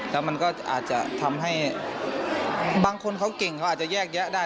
แล้วมันก็อาจจะทำให้บางคนเขาเก่งเขาอาจจะแยกแยะได้